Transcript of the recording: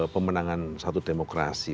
pemenangan satu demokrasi